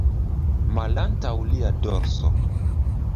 Malantaŭ lia dorso.